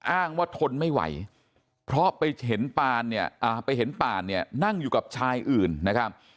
อ้างว่าทนไม่ไหวเพราะไปเห็นปานเนี่ยนั่งอยู่กับชายอื่นนะครับ